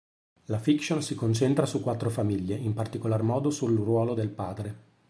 La fiction si concentra su quattro famiglie, in particolar modo sul ruolo del padre.